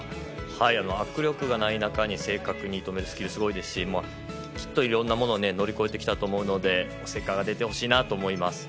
握力がない中正確に射止めるスキルがすごいですしきっといろいろなものを乗り越えてきたと思うので成果が出てほしいなと思います。